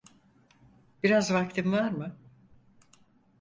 Biraz vaktin var mı?